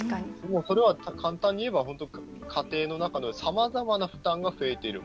これは簡単に言えば、家庭の中のさまざまな負担が増えている。